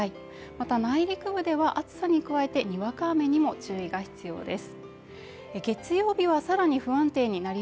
また、内陸部では暑さに加えてにわか雨にも注意が必要です。